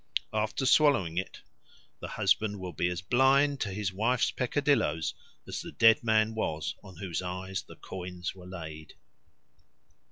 After swallowing it, the husband will be as blind to his wife's peccadilloes as the dead man was on whose eyes the coins were laid.